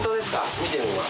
・見てみます。